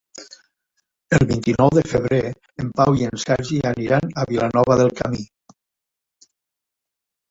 El vint-i-nou de febrer en Pau i en Sergi aniran a Vilanova del Camí.